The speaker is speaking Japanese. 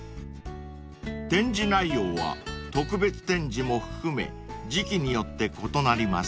［展示内容は特別展示も含め時期によって異なります］